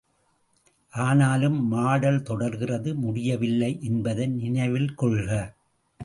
ஆனாலும் மடல் தொடர்கிறது, முடியவில்லை என்பதை நினைவில் கொள்க!